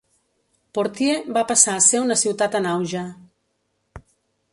"Portie" va passar a ser una ciutat en auge.